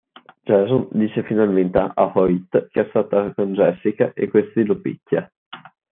Jason dice finalmente a Hoyt che è stato con Jessica e questi lo picchia.